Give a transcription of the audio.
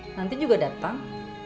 nanti juga datang